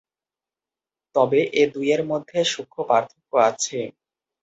তবে এই দুইয়ের মধ্যে সূক্ষ্ম পার্থক্য আছে।